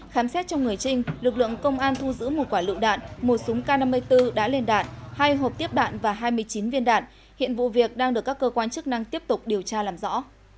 khám xét trong người trinh lực lượng công an thu giữ một quả lựu đạn một súng k năm mươi bốn đã lên đạn hai hộp tiếp đạn và hai mươi chín viên đạn hiện vụ việc đang được các cơ quan chức năng tiếp tục điều tra làm rõ